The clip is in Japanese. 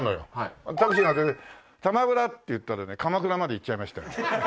タクシー乗って「たまプラ」って言ったらね「鎌倉」まで行っちゃいましたよ。